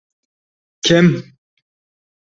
— Kim?!